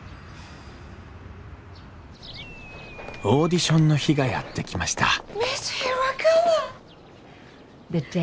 オーディションの日がやって来ました